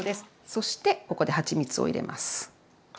そしてここではちみつを入れます。